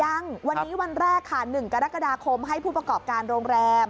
ยังวันนี้วันแรกค่ะ๑กรกฎาคมให้ผู้ประกอบการโรงแรม